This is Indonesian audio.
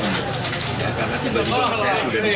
karena tiba tiba orang orang sudah